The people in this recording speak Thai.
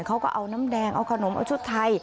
เขาก็เอาน้ำแดงเอาขนมเอาชุดไทย